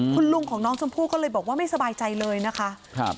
คุณลุงของน้องชมพู่ก็เลยบอกว่าไม่สบายใจเลยนะคะครับ